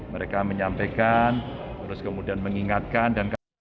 mereka menyampaikan terus kemudian mengingatkan